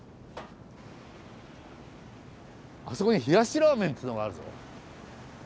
あそこに冷やしラーメンっていうのがあるぞ。